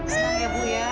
sebentar ya bu ya